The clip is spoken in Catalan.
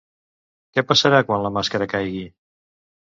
Què passarà quan la màscara caigui?